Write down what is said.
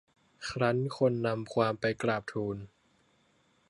ครั้นคนนำความไปกราบทูล